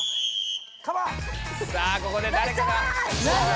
さあここでだれかが。